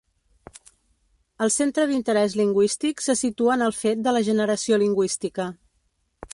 El centre d'interès lingüístic se situa en el fet de la generació lingüística.